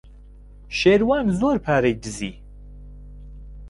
شێروان زۆر پارەی دزی.